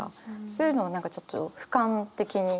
そういうのを何かちょっと俯瞰的に。